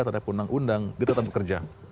terhadap undang undang dia tetap bekerja